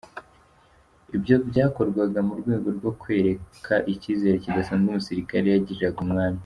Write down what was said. Ibyo byakorwaga mu rwego rwo kwereka ikizere kidasanzwe umusirikare yagiriraga umwami.